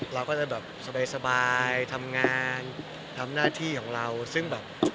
เราก็จะแบบสบายทำงานทำหน้าที่ของเราซึ่งแบบ